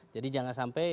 jadi jangan sampai